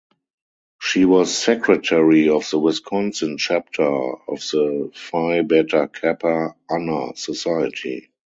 She was secretary of the Wisconsin chapter of the Phi Beta Kappa honor society.